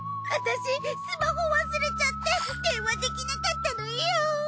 私スマホ忘れちゃって電話できなかったのよ。